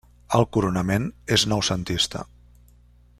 El coronament és noucentista.